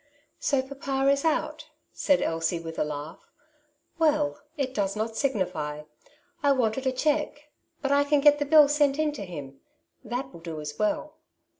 So papa is outP^^ said Elsie with a laugh. Well, it does not signify. I wanted a cheque, but I can get the bill sent in to him \ that will do as well.